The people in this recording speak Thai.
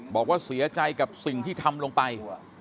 บอกว่าเสียใจกับสิ่งที่ทำลงไป